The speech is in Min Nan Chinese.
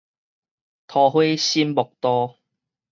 桃花心木道